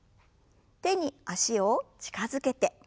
手に脚を近づけて。